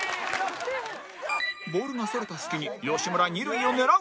ボールがそれた隙に吉村二塁を狙う